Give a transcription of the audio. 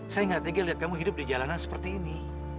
saya gak tega lihat kamu hidup di jalanan seperti ini